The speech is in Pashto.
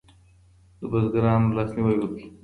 د بزګرانو لاسنیوی وکړئ.